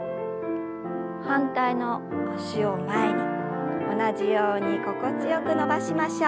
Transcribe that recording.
反対の脚を前に同じように心地よく伸ばしましょう。